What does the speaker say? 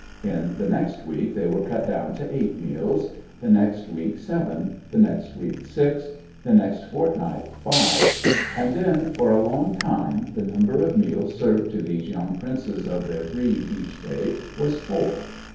In the next week they were cut down to eight meals; the next week seven, the next week six; the next fortnight five; and then, for a long time, the number of meals served to these young princes of their breed each day was four.